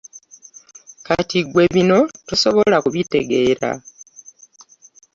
Kati gwe bino tosobola kubitegeera.